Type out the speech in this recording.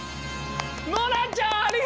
ノナちゃんありがとう！